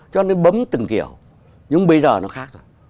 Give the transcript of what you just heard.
cho nên bấm từng kiểu nhưng bây giờ nó khác rồi